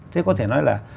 thế có thể nói là